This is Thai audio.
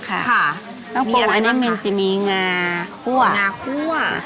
เครื่องปรุงอันนี้จะมีงาคั่ว